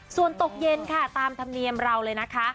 ส่วนตกเย็นค่ะตามธรรมเนียมเราเลยนะคะ